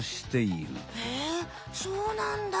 へえそうなんだ！